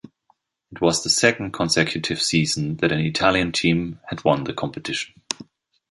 It was the second consecutive season that an Italian team had won the competition.